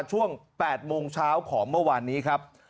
ช่วง๘โมงเช้าของเมื่อวานนี้ครับ